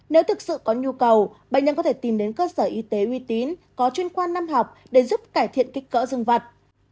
nếu thực sự có nhu cầu bệnh nhân có thể tìm đến cơ sở y tế uy tín có chuyên khoa năm học để giúp cải thiện kích cỡ dân vật